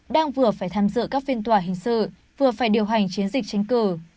đang vừa phải tham dự các phiên tòa hình sự vừa phải điều hành chiến dịch tranh cử